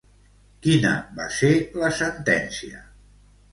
Quina va ser la sentència?